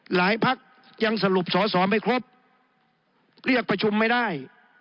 พักยังสรุปสอสอไม่ครบเรียกประชุมไม่ได้